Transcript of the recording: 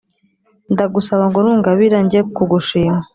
ndagusaba ngo nungabira njye kugushima